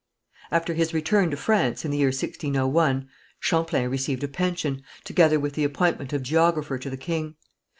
After his return to France in the year 1601, Champlain received a pension, together with the appointment of geographer to the king.